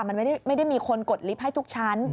มันไม่ได้มีคนกดลิฟต์ให้ทุกชั้น